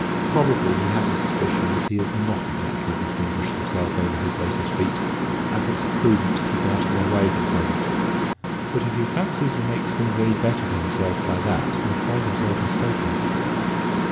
Probably he has a suspicion that he has not exactly distinguished himself over his latest feat, and thinks it prudent to keep out of my way for the present. But if he fancies he'll make things any better for himself by that he'll find himself mistaken."